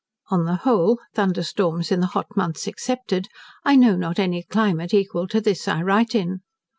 On the whole, (thunder storms in the hot months excepted) I know not any climate equal to this I write in.